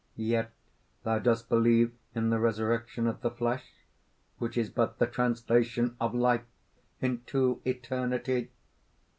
"Yet thou dost believe in the resurrection of the flesh which is but the translation of life into eternity!"